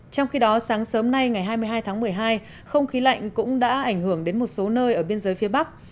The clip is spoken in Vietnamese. trong khi đó sáng sớm nay ngày hai mươi hai tháng một mươi hai không khí lạnh cũng đã ảnh hưởng đến một số nơi ở biên giới phía bắc